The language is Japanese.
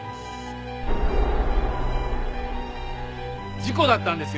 事故だったんですよ！